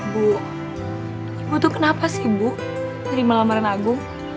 bu ibu tuh kenapa sih ibu terima lamaran aku